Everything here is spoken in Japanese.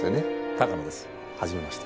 鷹野ですはじめまして。